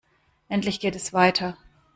Endlich geht es weiter!